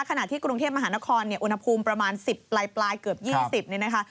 ขณะที่กรุงเทพมหานครเนี่ยอุณหภูมิประมาณ๑๐ปลายเกือบ๒๐เนี่ยนะคะ